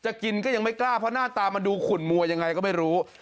กินก็ยังไม่กล้าเพราะหน้าตามันดูขุนมัวยังไงก็ไม่รู้